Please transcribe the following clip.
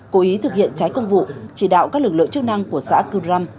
cố ý thực hiện trái công vụ chỉ đạo các lực lượng chức năng của xã cư răm